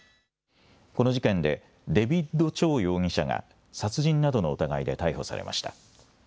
この事件でデビッド・チョウ容疑者が殺人などの疑いで逮捕されました。